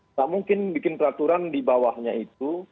tidak mungkin membuat peraturan di bawahnya itu